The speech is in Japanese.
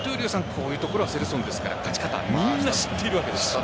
こういうところはセレソンですから、勝ち方みんな知っているわけです。